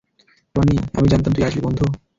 Tony, আমি জানতাম তুই আসবি, বন্ধু।